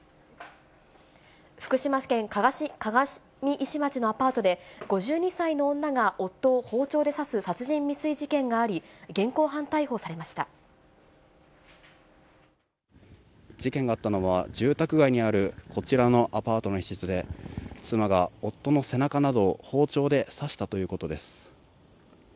福島県鏡石町のアパートで、５２歳の女が夫を包丁で刺す殺人未遂事件があり、現行犯逮捕され事件があったのは、住宅街にあるこちらのアパートの一室で、妻が夫の背中などを包丁で刺したということです。